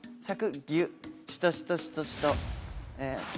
シトシトシトシトえ。